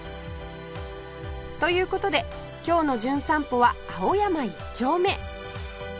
という事で今日の『じゅん散歩』は青山一丁目